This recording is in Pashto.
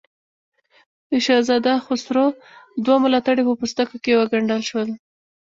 د شهزاده خسرو دوه ملاتړي په پوستکو کې وګنډل شول.